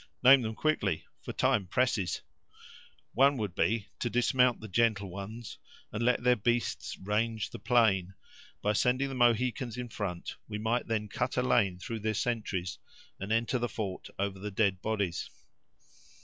"Name them quickly for time presses." "One would be to dismount the gentle ones, and let their beasts range the plain, by sending the Mohicans in front, we might then cut a lane through their sentries, and enter the fort over the dead bodies."